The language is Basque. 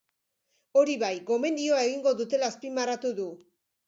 Hori bai, gomendioa egingo dutela azpimarratu du.